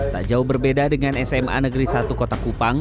tak jauh berbeda dengan sma negeri satu kota kupang